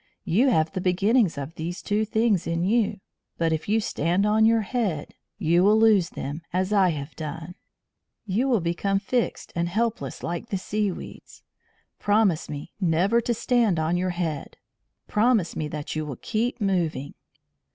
You have the beginnings of these two things in you, but if you stand on your head you will lose them, as I have done. You will become fixed and helpless like the seaweeds. Promise me never to stand on your head. Promise me that you will keep moving."